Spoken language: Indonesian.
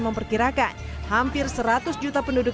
memperkirakan hampir seratus juta penduduk